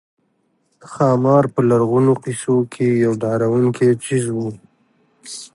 ښامار په لرغونو قصو کې یو ډارونکی څېز وو